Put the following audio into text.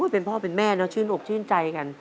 เป็นพ่อเป็นแม่เนอะชื่นอกชื่นใจกัน